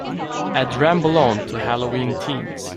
Add ramble on to Halloween Teens